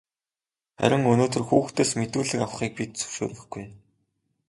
Харин өнөөдөр хүүхдээс мэдүүлэг авахыг бид зөвшөөрөхгүй.